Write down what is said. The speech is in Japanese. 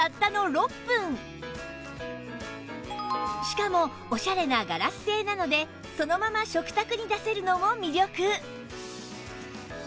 しかもおしゃれなガラス製なのでそのまま食卓に出せるのも魅力